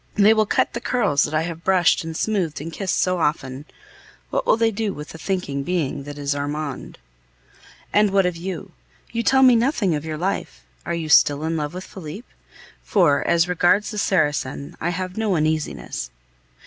They will cut the curls that I have brushed and smoothed and kissed so often! What will they do with the thinking being that is Armand? And what of you? You tell me nothing of your life. Are you still in love with Felipe? For, as regards the Saracen, I have no uneasiness.